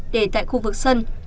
để tại khu vực sân